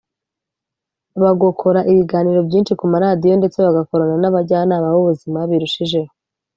bagokora ibiganiro byinshi ku maradiyo ndetse bagakorana n’abajyanama b’ubuzima birushijeho